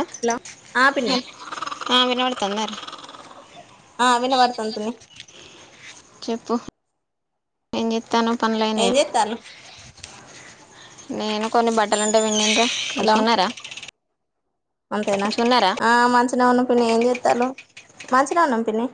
అ hello ఆ పిన్ని ఆ వినపడతాంద ఆ వినబడుతాంది పిన్ని చెప్పు ఏం చేత్తన్నావ్ ఏం చేత్తాను నేను కొన్ని బట్టలు ఉంటే పిండింటే హలో తిన్నారా అంతేనా ఆ మంచిగనే ఉన్న పిన్ని ఏం చేత్తాలు మంచిగనే ఉన్నాం పిన్ని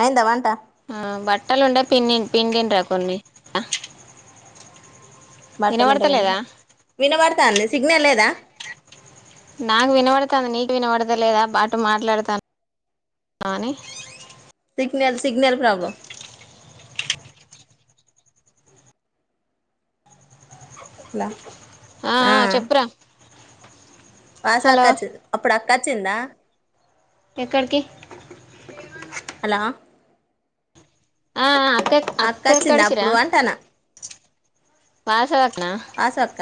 అయిందా వంట ఆ బట్టలు ఉంటే పిన్ని పిండిండ్రా కొన్ని బట్టలు ఉంటే పిండి వినబడతలేదా వినబడతాంద సిగ్నల్ లేదా నాకు వినబడతాంది నీకు వినబడత లేదా బటు మాట్లాడతాను కాని సిగ్నల్ సిగ్నల్ ప్రాబ్లమ్ లా ఆ ఆ చెప్పురా పాస హలో అక్కచ్చి అప్పుడు అక్కచ్చిందా ఎక్కడికి హలా ఆ ఆ అక్కె వచ్చిందా అక్కెక్కడకిరా అప్పుడు అంటానా పాస కట్నా వాసు అక్క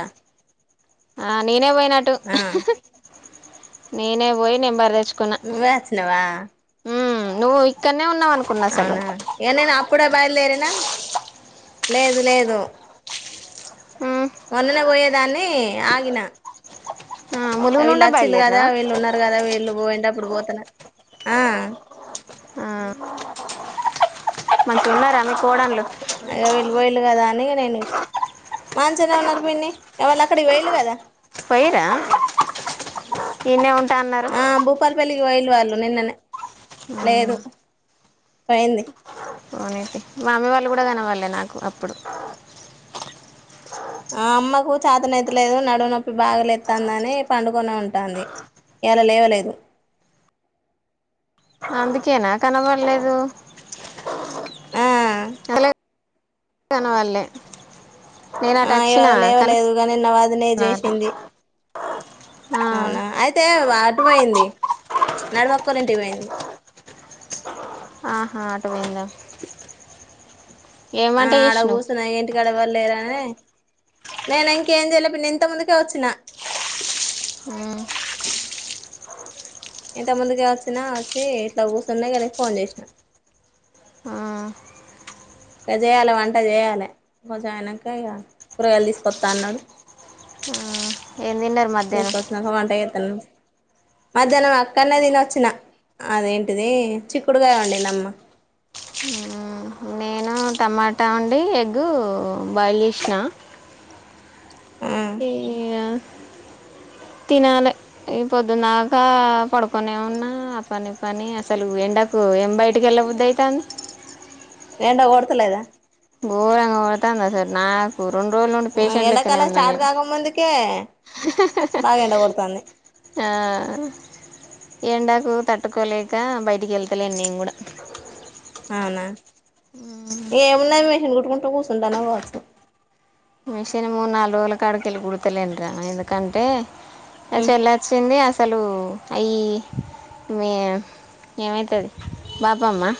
ఆ నేనే పోయినటు ఆ నేనే పోయి నంబర్ తెచ్ నువ్వే వచ్చినవా నువ్వు ఇక్కన్ అవునా ఏ నేను అప్పుడే బయలుదేరినా లేదు లేదు ఉమ్. మన్ననే పోయేదాన్ని ఆగిన ఆ ములుగు వీళ్ళు నుండే వచ్చిల్లు కదా బయలుదేరినావా వీళ్ళు ఉన్నారు కదా వీళ్ళు పోయిండప్పుడు పోతన ఆ ఆ మంచిగున్నారా మీ కోడన్లు అయో వీళ్ళు పోయిల్లు కదా అని నేను మంచిగనే ఉన్నారు పిన్ని, ఎవళ్ళక్కడికి పోయిల్లు కదా పోయిర్రా ఈడ్నే ఉన్ ఆ భూపాలపెల్లికి పోయిల్లు వాల్లు నిన్ననే ఆ పైంది అవునంటి, మా అమ్మీ వాళ్ళు కూడా కనవడలే నాకు అప్పుడు ఆ అమ్మకు చాతనైతలేదు, నడువు నొప్పి బాగాలేెత్తందని పండుకొనే ఉంటాంది. ఇయ్యాల లేవలేదు. అందుకేనా కనబడలేదు. ఆ కనవళ్లేే ఆ ఇవాళ లేవలేదు గాని నిన్న వదినే చేసింది. ఆ, అవునా, అయితే వా త్వయింది, నడవక్కోలింటికి పోయింది. ఆహా అటు పోయిందా, ఏం వంట చేసినవ్? లేదని, నేనింకేం చెయలే పిన్ని ఇంత ముందుకే వచ్చిన ఉమ్ ఇంత త ముందుకే వచ్చినా, వచ్చి ఇట్లా కూసున్నా ఇక నీకు ఫోన్ చేసినా ఆ, ఇక చేయాలి వంట చేయాలె, కొంచెం అయనాక ఇక కూరగాయలు తీసుకొస్తా అన్నడు. ఆ ఏం తిన్నరు మధ్యాహ్నం? తీసుకొచ్చినాక వంట చేత్తను మధ్యాహ్నం అక్కడనే తినొచ్చిన, అదేంటిది చిక్కుడుగాయ వొండిన్దమ్మ. ఆ టమాటా వండి ఎగ్ బాయిల్ చేసినా. ఉమ్ ఇగా తినాలే, ఈ పొద్దుందాకా పడుకొనే ఉన్నా పనిపని అసలు ఎండ కు ఏం బయటికి వెళ్ళబుద్ధయితాంది. ఎండ కొడతలేదా? గోరంగ కొడతాంది అసలు నాకు రెండు రోజుల నుండి పేషెంట్ లెక్కనే ఎండాకాలం ఉన్నా స్టార్ట్ నేను కాకముందుకే అహ్హ్హ్ బాగా ఎండ కొడతాంది ఆ ఎండాకు తట్టుకోలేక బయటికి ఎళ్తలేను నేను కూడా. అవునా, ఏమున్నాయి మెషన్ కుట్టుకుంటూ కూసుంటాన వచ్చు మిషన్ మూడునాలుగు రోజుల కాడికెల్లి కుడతలేదురా, ఎందుకంటే? అ ఉమ్ చెల్లొచ్చింది అసలు, అయ్ మే ఏమైతాది బాపమ్మ?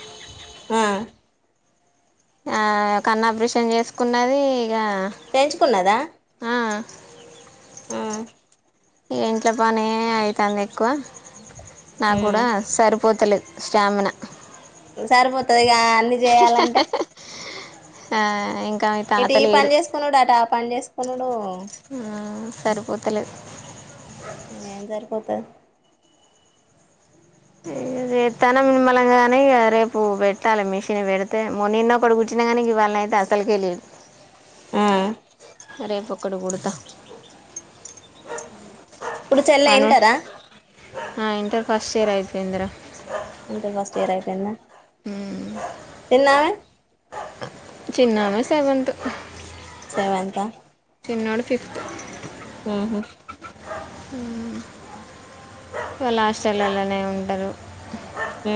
ఆ ఆ కన్నాపరేషన్ చేసుకున్నది ఇగ చేయించుకున్నదా ఆ ఆ ఈ ఇంట్లో పనే అయితాందెక్కువ, నాక్కూడా ఉమ్ సరిపోతలేదు. స్టామిన సరిపోతది ఇగ అన్ని చేయాలంటే ఆ ఇం ఇటు ఈ పని చేసుకొనుడు, అటాపని చేసుకొనుడు. సరిపోతలే ఏం జరిపోతది ఇ తనం నిమలంగానే ఇక రేపు పెట్టాలె మిషన్, పెడితే మ నిన్నొకటి కుట్టి నిజానికి ఇవాళ అయితే అసలుకె లేదు. ఆ రేపు ఒక్కటి కుడత. ఇప్పుడు చెల్ల ఇంటరా ఆ ఇంటర్ ఫస్ట్ ఇయర్ అయిపోయింద్ర. ఇంటర్ ఫస్ట్ ఇయర్ అయిపోయిందా? ఎన్నమే చిన్నాన సెవెంత్ సెవెంత చిన్నోడు ఫిఫ్త్ ఆహా వాళ్ళు హస్టల్లలనే ఉంటరు మ్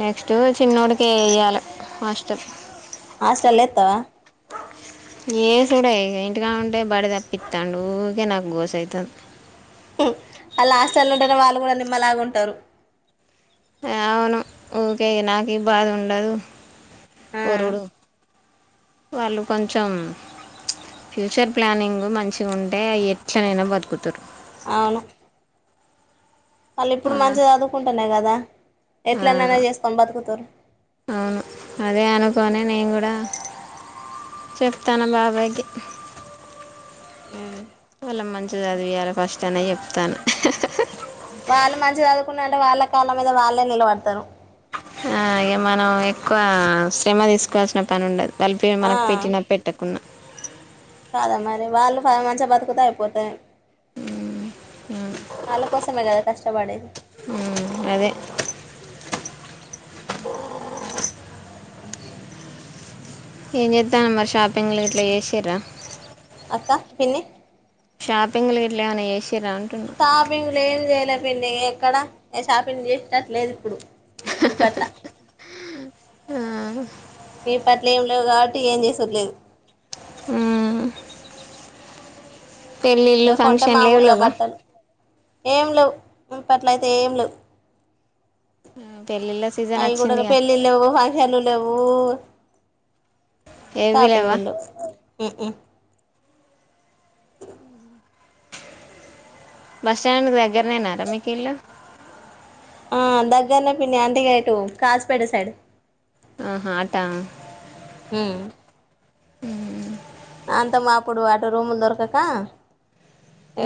నెక్స్ట్ చిన్నోడికే ఎయ్యాల హాస్టల్ హాస్టల్లో ఎత్తవ ఏసుడే ఇంటికాడ ఉంటే బడి తప్పితాండు ఊకే నాకు గోస అయితుంది ఆళ్ళు హాస్టల్లో ఉంటేనే వాళ్ళు కూడా నిమ్మల్లా గుంటారు అవును ఊకే నాకు ఈ బాధ ఉండదు ఆ వొరుడు వాళ్ళు కొంచెం ఫ్యూచర్ ప్లానింగ్ మంచిగా ఉంటే ఎట్లనైనా బతుకుతరు అవును ఆళ్ళు ఇప్పుడు ఆ మంచిగా చదువుకుంటేనే కదా ఆ ఎట్లానైన చేసుకొని బతుకుతరు అవును అదే అనుకోని నేను కూడా చెప్తాను బాబాయ్ కి మ్ ఆళ్ళని మంచిగ చదివియాలి ఫస్ట్ అనే చెప్తాను వాళ్ళు మంచిగా చదువుకున్న అంటే వాళ్ళ కాళ్ళ మీద వాళ్ళే నిలబడతారు ఆ ఇగ మనం ఎక్కువ శ్రమ తీసుకోవాల్సిన పని ఉండదు దల్పి ఆ మనకు పెట్టినా పెట్టకుండా కాదా మరి వాళ్ళు మంచిగా బతుకుత అయిపోతే మ్ వాళ్ళ కోసమే కదా కష్టపడేది అదే ఏం చేత్తనవ్ మరి షాపింగ్లు ఇట్లా చేసిర్ర అక్క పిన్ని షాపింగ్ ఇట్ల ఏవన్న చేసి షాపింగ్ లేం చేయలే పిన్ని ఎక్కడ షాపింగ్ చేసేటట్టు లేదు ఇప్పుడు విప్పట్ల ఇప్పట్లో ఏం లేవు కాబట్టి ఏం చేసేది లేదు మ్ పెళ్ళిళ్ళు ఇగ కొంటే ఫంక్షన్ మామూలుగా లేవులేవా బట్టలు ఏం లేవు ఇ మునపట్లయితే ఏం లేవు పెళ్ళిళ్ళ సీజన్ అయి కూడా వచ్చిందిగా పెళ్లి లేవు హాయ్ హెల్లులు లేవు ఏవి లేవా షాపింగ్లు లేవు బస్ స్టాండికి దగ్గరనేనర మీకు ఇల్లు ఆ దగ్గరనే పిన్ని అంటేగ ఇటు కాసిపేట సైడ్ ఆహా అటా మ్ అత్తమ్మ అటు రూమ్లు దొరకక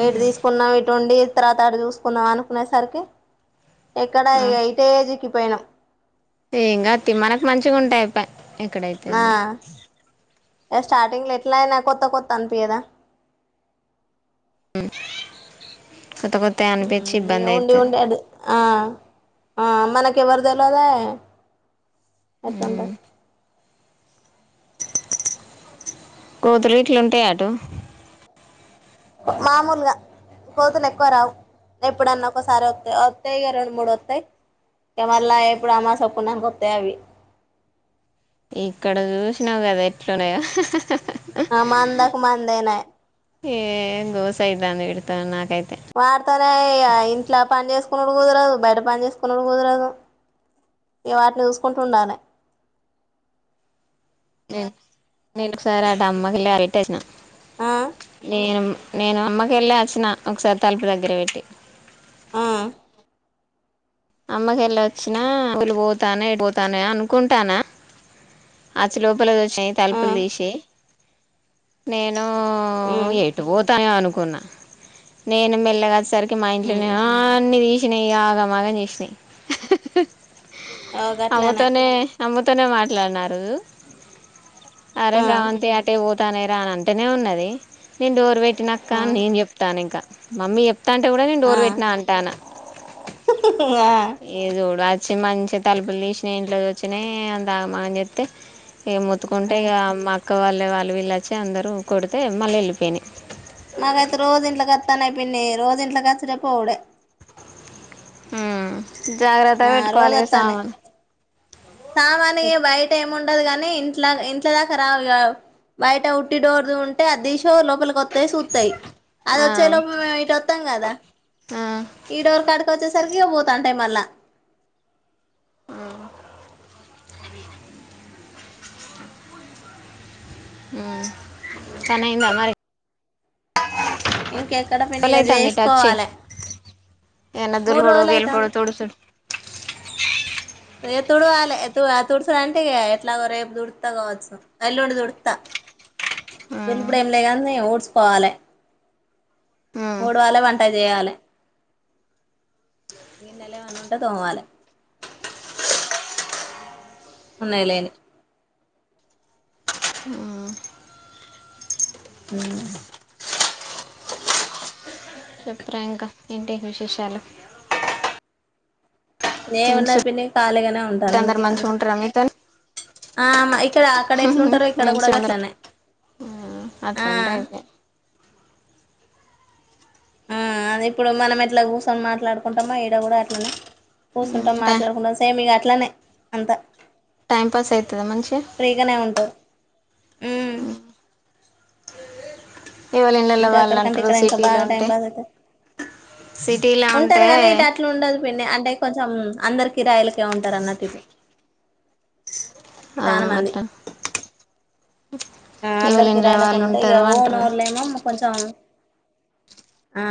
ఇటు తీసుకు ఇటు ఉండి తర్వాత అటు చూసుకున్నాం అనుకొనే సరికే ఎక్కడ ఇగ ఇటే పోయినం తేంగాతి మనకి మంచిగా ఉంటే అయ్పే ఎక్కడైతే ఎంది ఏ స్టార్టింగ్ లో ఎట్లా అయినా కొత్త కొత్త అనిపియద కొత్త కొత్త అనిపించి ఉమ్ ఇగ ఇబ్బంది ఉండి అయితది ఉండి అది ఆ ఆ మనికి ఎవరు తెలేవదే ఎతుండ కూతురి ఇట్లుంటే అటు మామూలుగా కోతులు ఎక్కువ రావు ఎప్పుడన్నా ఒకసారి వస్తాయి వస్తాయి ఇగా రెండు మూడు వస్తాయి ఇగ మరళ ఎప్పుడు అమాస పున్నానికి వస్తాయి అవి ఇక్కడ చూసినావు కదా ఎట్లాన్నాయో ఆ మాందాకు మాందాేనా ఏ గోసా ఇల్ అందు నాకైతే వాడుతనే ఇగ ఇంట్లో పని చేసుకున్నడు కుదరదు బయట పని చేసుకున్నడు కుదరదు ఇ వాటిని చూసుకుంట ఉంండడాలే న నెలుారట అమ్మకిలి అరటచ్చిన ఆ నేను నేను అమ్మకి వెళ్ళి వచ్చిన ఒకసారి తలుపు దగ్గర పెట్టి ఆ అమ్మక వెళ్ళ వచ్చినా పలు పోతున్నాయి పోతున్నాయి అనుకుంటున్నా అచ్చి లోపల చూసినాయి ఆ తలుపులు తీసి నేను ను ఉమ్ ఎటు పోతున్నాయి అనుకున్నా నేను మెల్లగా వచ్చేసరి కి మా ఇంట్లోనే ఉమ్ అన్ని తీసినాయి ఆగమాగం చేసినాయి ఓ గట్లనే అమ్మతోనే అమ్మతోనే మాట్లాడున ఆరోజు అరే ఆ శవంతి అటే పోతానే రా అని అంటేనే ఉన్నది నేను డోర్ పెట్టి ట్టినా అక్క ఆ నేను చెప్తాన ఇంకా మమ్మీ చెప్తా అంటే కూడా నేను ఆ ఆ డోర్ పెట్టినా అంటాన ఏ జూడు చి మంచిగా తలుపులు తీసిన ఇంట్లో వచ్చిన అంతాగమా చేస్తే ఇక ఆ మొత్తుకుంటే ఇగ మా అక్క వాళ్ళ వాళ్ళు వీళ్ళచ్చి అందరుూ కొడితే మళ్ళీ వెళ్ళిపోయినా మాకి అయితే రోజ ఇంట్లో కస్తానయి పిన్ని రోజ ఇంట్లో కచ్చడేపోవుడే ఆ జాగ్రత్త ఆ పెట్టుకోవాలిగా సామాన్ సామానయి బయట ఏమం టదు కాని ఇంట్లో ఇంట్ దాకా రావు గావు బయట ఉట్టి డోర్ ఉంటే అది థిస్ చో లోపలికి వత్తాయి సుతై అది ఆ వచ్చే లోపల మేము ఇటు వస్తాం కదా ఆ ఈ డోర్ కడుకి వచ్చేసరికి పోతాంటాయి మళ్ళా అవి ఉ పని అయిందా మరి ఇంకెక్కడ పిన్ని ఇగ చేసుకోవాలే ఏనాదుర్బడు గీళ్ళపడు తుడుసుడు ఏే తుడవాలి తుడుచ అంటేగా ఎట్లాగో రేపు దుడుతా కావచ్చు అల్లుండి దుడుతా ఉమ్ దులుపుడు ఏం లేగాని ఊడ్చుకోవాలే ఉమ్ ముడవాలే వంట చేయాలి గిన్నెలు ఏమన్నా ఉంటే తోమాలే ఉన్నాయిలేని ఉ చెప్పురా ఇంకా ఏంటి విశేషాలు నే మీ ఇంటి ఏమున్నా పిన్ని ఖాళీగానే చుట్టూ ఉంటాను అందరు ఇంకేమీ మంచిగా ఉంది ఉంటారా మీతోని ఆ మా ఇక్కడ అక్కడ ఎట్లుంటారుో ఇక్కడ కూడా అట్లానే అట్లాండే అవి ఆ అది ఇప్పుడు మనం ఎట్లా కూర్చొని మాట్లాడుకుంటామో ఈడ కూడా అట్లనే కూర్చుంటాం టై మాట్లాడుకుంటాం సేమ్ ఇగ అట్లనే అంత టైమ్ పాస్ అయిత్ ఫ్రీగానే ఉంటారు ఎవళ ఇళ్ళలో ఇంకా వాళ్ళు అక్కడ కంటే అంటారు ఇక్కడ ఇంకా సిటీలో బాగా టైం ఉంటే పాస్ అయితది సిటీలో ఉంటే ఉంటారు గానీ ఇటు అట్లు ఉండదు పిన్ని అంటే కొంచెం అందరూ కిరాయిలకే ఉంటారు అన్నట్టు ఇటు ఆ చాలా మంది అట్టా ఆ అందరికిిరాయలకు ఉంటే ఇక ఊ అంటారు నోళ్లో ఏమో కొంచెం [unintelligible] ఆ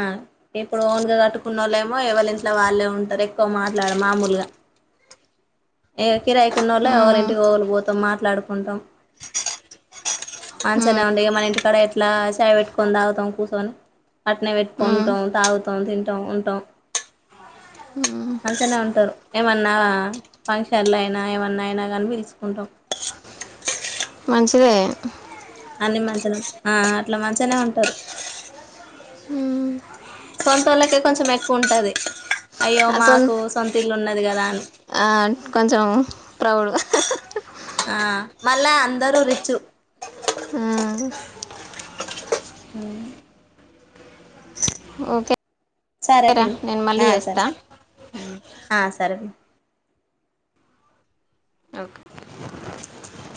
ఇప్పుడు ఓన్గా కట్టుకున్న వాళ్ళేమో ఎవళ ఇంట్లో వాళ్ళే ఉంటారు ఎక్కువ మాట్లాడ మామూలుగా [unintelligible] ఏకిరాయికున్న వాళ్ళ ఉమ్ ఎవరింటికి రు పోతాం మాట్లాడుకుంటాం ఉమ్ మంచనే ఉండే మన ఇంటికాడ ఎట్లా చేయ పెట్టుకొని తాగుతాం కూర్చొని పట్నే ఉమ్ పెట్టుకుంటాం తాగుతాం తింటాం ఉంటాం ఉ అంచనే ఉంటారు ఏమన్నా ఫంక్షన్లు అయినా ఏమన్నా అయినా కాని పిలుచుకుంటాం మంచిదే అన్ని మంచిగా ఉంట ఆ అట్లా మంచిగానే ఉంటారు సొంత వాళ్ళకే కొంచెం ఎక్కువ ఉంటది అయ్యో అసలు మాకు సొంత ఇల్లు ఉన్నది కదా అని కొంచెం ప్రౌడ్ ఆ మళ్ళా అందరూ రిచ్ అ అ ఓకే సరే పిని ఆ సరే ఆ సరేండి ఓకే